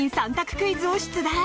クイズを出題。